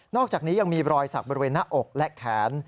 อกจากนี้ยังมีรอยสักบริเวณหน้าอกและแขน